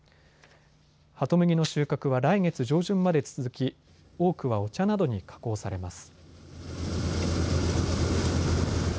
ハトムギの収穫は来月上旬まで続き多くはお茶などに加工されます。